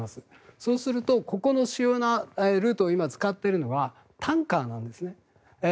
そうするとここの主要なルートを今、使っているのはタンカーなんですね。